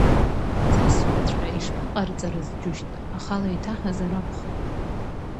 Цасҳәаҵәҟьа ишԥаҟарҵарыз, џьушьҭ, ахала иҭаҳазар акәхап…